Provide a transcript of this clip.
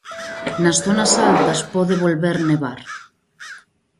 Nas zonas altas pode volver nevar.